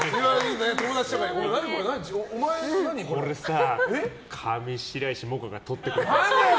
これさ、上白石萌歌が撮ってくれたんだよ！